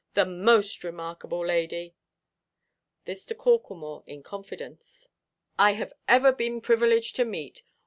The most remarkable lady"—this to Corklemore, in confidence—"I have ever been privileged to meet.